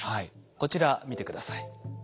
こちら見て下さい。